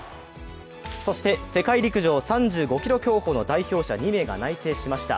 そして世界陸上３５ｋｍ競歩の代表者２名が内定しました。